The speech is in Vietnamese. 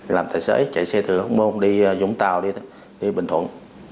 làm tài xế chạy xe từ hốc môn đi vũng tàu đi bình thuận